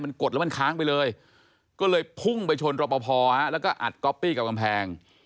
มันกดแล้วมันค้างไปเลยก็เลยพุ่งไปชนรอปภแล้วก็อัดก๊อปปี้กับกำแพง